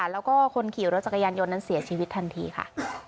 แล้วก็คนขี่รถจักรยานยนต์นั้นเสียชีวิตทันทีค่ะ